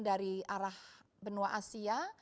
dari arah benua asia